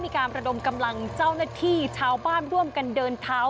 มีการระดมกำลังเจ้าหน้าที่ชาวบ้านร่วมกันเดินเท้า